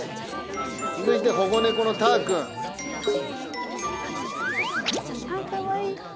続いて保護猫のたーくん。あっかわいい。